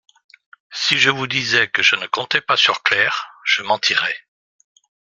Si je vous disais que je ne comptais pas sur Claire, je mentirais.